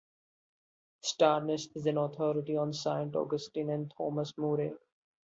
Starnes is an authority on Saint Augustine and Thomas More.